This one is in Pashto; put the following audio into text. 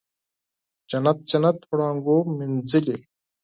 جنت، جنت وړانګو مینځلې